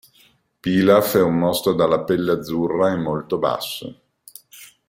Pilaf è un mostro dalla pelle azzurra e molto basso.